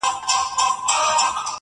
نوروز راسي زېری نه وي پر وزر د توتکیو -